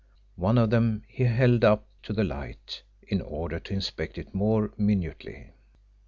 One of them he held up to the light in order to inspect it more minutely.